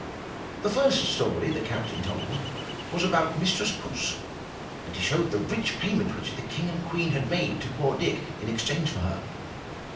The first story the captain told was about Mistress Puss; and he showed the rich payment which the King and Queen had made to poor Dick in exchange for her.